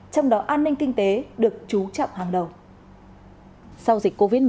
trong đó an ninh kinh tế được trú trọng hàng đầu